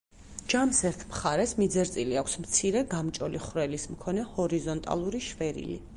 ჯამს ერთ მხარეს მიძერწილი აქვს მცირე, გამჭოლი ხვრელის მქონე, ჰორიზონტალური შვერილი.